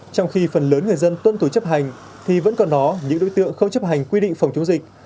trong khi phần lớn người dân tuân thủ chấp hành thì vẫn còn đó những đối tượng không chấp hành quy định phòng chống dịch